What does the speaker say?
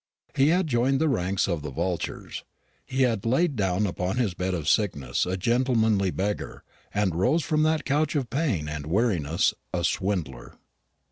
He had joined the ranks of the vultures. He had lain down upon his bed of sickness a gentlemanly beggar; he arose from that couch of pain and weariness a swindler.